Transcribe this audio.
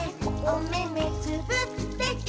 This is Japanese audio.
「おめめつぶって」